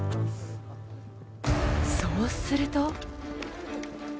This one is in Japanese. そうすると。